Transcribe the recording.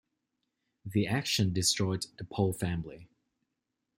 The action destroyed the Pole family.